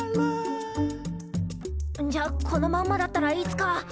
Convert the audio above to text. んじゃこのまんまだったらいつか。